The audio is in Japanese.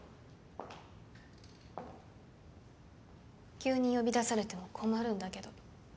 急に呼び出されても困るんだけど。